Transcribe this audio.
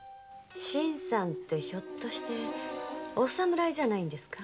新さんてひょっとしてお侍じゃないんですか？